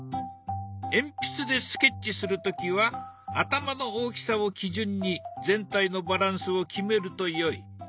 鉛筆でスケッチする時は頭の大きさを基準に全体のバランスを決めるとよい。